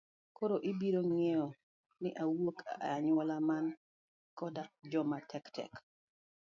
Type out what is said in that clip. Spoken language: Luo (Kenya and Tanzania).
Koro ibiro ng'eyo ni awuok e anyuola man koda joma tek tek.